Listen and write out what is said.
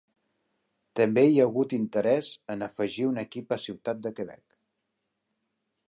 També hi ha hagut interès en afegir un equip a Ciutat de Quebec.